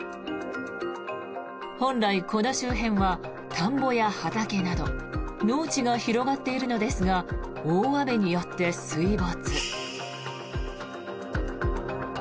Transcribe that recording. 本来、この周辺は田んぼや畑など農地が広がっているのですが大雨によって水没。